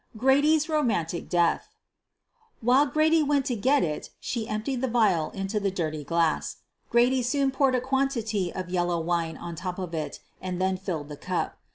GRADY 's ROMANTIC DEATH While Grady went to get it she emptied the vial into the dirty glass. Grady soon poured a quantity of the yellow wine on top of it, and then filled the cup.